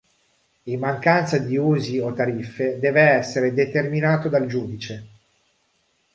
In mancanza di usi o tariffe, deve essere determinato dal giudice.